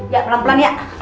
ya pelan pelan ya